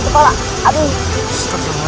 sakit di utara dan kepala